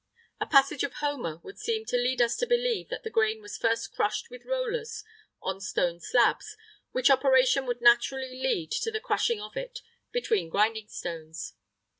A passage of Homer would seem to lead us to believe that the grain was first crushed with rollers on stone slabs, which operation would naturally lead to the crushing of it between grinding stones.